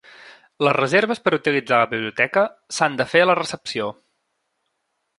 Les reserves per utilitzar la biblioteca s'han de fer a la recepció.